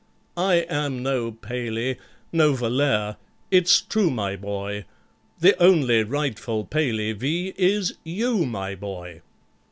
I am no PALEY—no, VOLLAIRE—it's true, my boy! The only rightful PALEY V. is you, my boy!